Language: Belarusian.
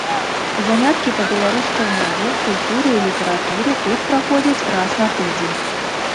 Заняткі па беларускай мове, культуры і літаратуры тут праходзяць раз на тыдзень.